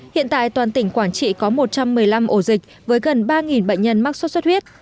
hiện tại toàn tỉnh quảng trị có một trăm một mươi năm ổ dịch với gần ba bệnh nhân mắc sốt xuất huyết